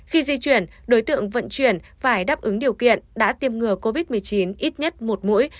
khi di chuyển đối tượng vận chuyển phải đáp ứng điều kiện đã tiêm ngừa covid một mươi chín ít nhất một mũi